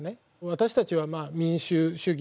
私たちはまあ民主主義。